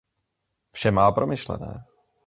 Vše má promyšlené.